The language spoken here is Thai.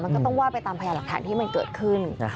มันก็ต้องว่าไปตามพยาหลักฐานที่มันเกิดขึ้น